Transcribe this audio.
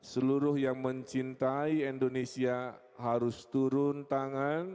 seluruh yang mencintai indonesia harus turun tangan